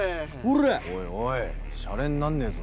おいおいしゃれになんねえぞ。